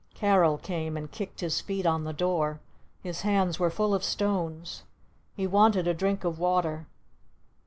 Carol came and kicked his feet on the door. His hands were full of stones. He wanted a drink of water.